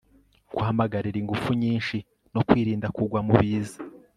guhamagarira ingufu nyinshi, no kwirinda kugwa mu biza